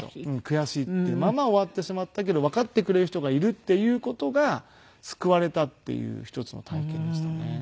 悔しいっていうまま終わってしまったけどわかってくれる人がいるっていう事が救われたっていう一つの体験でしたよね。